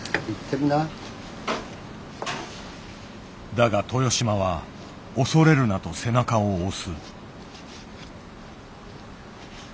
だが豊島は恐れるなと背中を押す。